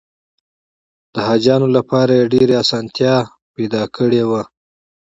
د حاجیانو لپاره یې ډېره اسانتیا پیدا کړې وه.